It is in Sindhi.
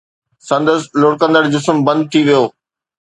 سندس لڙڪندڙ جسم بند ٿي ويو